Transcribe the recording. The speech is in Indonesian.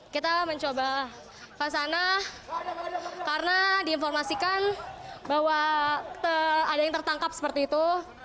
kita mencoba kesana karena diinformasikan bahwa ada yang tertangkap seperti itu